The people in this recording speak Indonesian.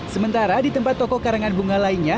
sementara di tempat toko karangan bunga lainnya